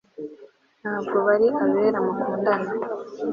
Ntabwo bari abera mukundana